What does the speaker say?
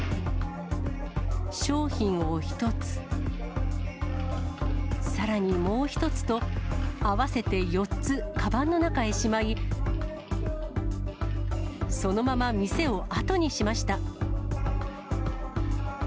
商品を１つ、さらにもう１つと、合わせて４つ、カバンの中へしまい、そのまま、店を後にしました。